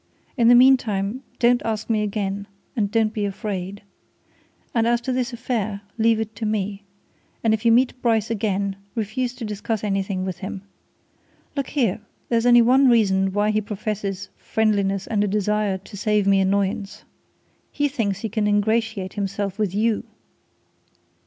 In the meantime don't ask me again and don't be afraid. And as to this affair, leave it to me and if you meet Bryce again, refuse to discuss any thing with him. Look here! there's only one reason why he professes friendliness and a desire to save me annoyance. He thinks he can ingratiate himself with you!"